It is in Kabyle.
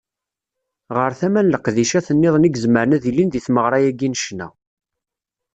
Ɣer tama n leqdicat-nniḍen i izemren ad ilin deg tmeɣra-agi n ccna.